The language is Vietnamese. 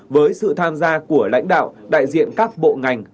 với sự tham gia của lãnh đạo đại diện các bộ ngành